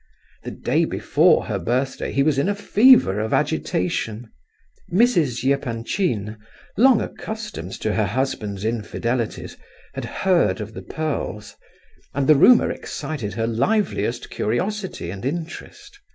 The day before her birthday he was in a fever of agitation. Mrs. Epanchin, long accustomed to her husband's infidelities, had heard of the pearls, and the rumour excited her liveliest curiosity and interest.